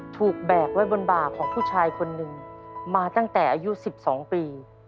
แบกไว้บนบ่าของผู้ชายคนหนึ่งมาตั้งแต่อายุ๑๒ปี